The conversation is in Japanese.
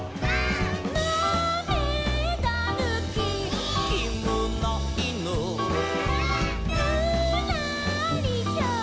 「まめだぬき」「」「きむないぬ」「」「ぬらりひょん」